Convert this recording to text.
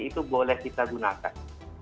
itu boleh kita gunakan